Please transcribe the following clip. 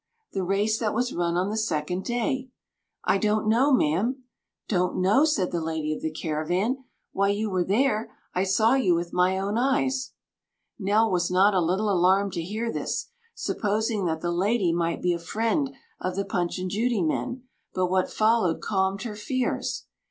"The race that was run on the second day." "I don't know, ma'am." "Don't know!" said the lady of the caravan; "why, you were there. I saw you with my own eyes." Nell was not a little alarmed to hear this, supposing that the lady might be a friend of the Punch and Judy men, but what followed calmed her fears.